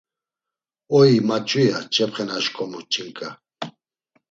“Oi maç̌u!” ya ç̌epxe na şǩomu ç̌inǩa.